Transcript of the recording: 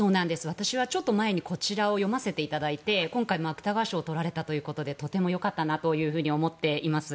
私はちょっと前にこちらを読ませていただいて今回、芥川賞を取られたということでとてもよかったなと思っています。